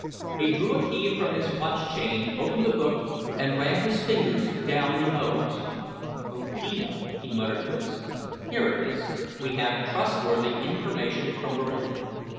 He drew a key from his watch chain, opened the book, and ran his fingers down the O's. "Odino," he muttered to himself. "Here it is: 'We have trustworthy information from Berlin.'